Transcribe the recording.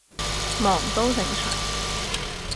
忙都正常